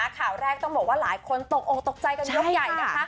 ข่าวแรกต้องบอกว่าหลายคนตกออกตกใจกันยกใหญ่นะคะ